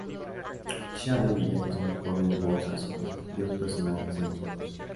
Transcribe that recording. Cheadle y Jackson ponen voz a sus respectivos personajes en los juegos.